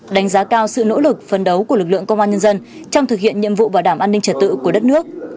đánh giá cao sự nỗ lực phân đấu của lực lượng công an nhân dân trong thực hiện nhiệm vụ bảo đảm an ninh trật tự của đất nước